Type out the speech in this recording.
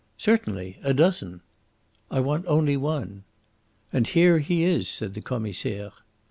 "Certainly. A dozen." "I want only one." "And here he is," said the Commissaire.